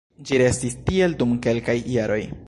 Ĝi restis tiel dum kelkaj jaroj.